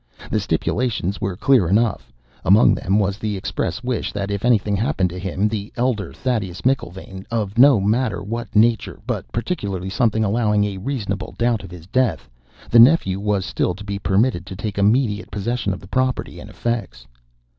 The stipulations were clear enough; among them was the express wish that if anything happened to him, the elder Thaddeus McIlvaine, of no matter what nature, but particularly something allowing a reasonable doubt of his death, the nephew was still to be permitted to take immediate possession of the property and effects."